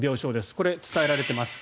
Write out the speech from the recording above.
これ、伝えられています。